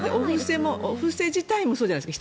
お布施自体もそうじゃないですか。